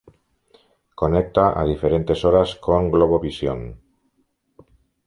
Conecta a diferentes horas con Globovisión.